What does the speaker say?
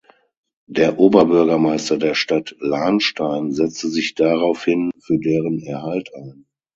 Der Oberbürgermeister der Stadt Lahnstein setzte sich daraufhin für deren Erhalt ein.